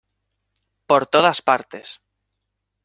por todas partes.